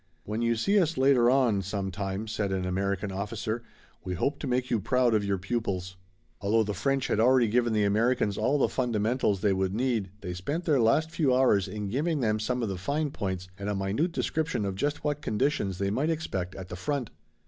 "When you see us later on some time," said an American officer, "we hope to make you proud of your pupils." Although the French had already given the Americans all the fundamentals they would need they spent their last few hours in giving them some of the fine points and a minute description of just what conditions they might expect at the front.